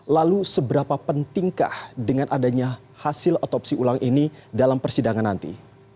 lalu seberapa pentingkah dengan adanya hasil otopsi ulang ini dalam persidangan nanti